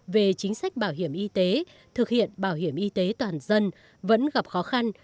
về chính sách bảo hiểm y tế thực hiện bảo hiểm y tế toàn dân vẫn gặp khó khăn